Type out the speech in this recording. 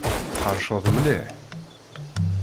Tḥeṛceḍ mliḥ!